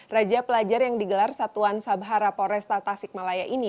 raja pelajar yang digelar satuan sabahara poresta tasikmalaya ini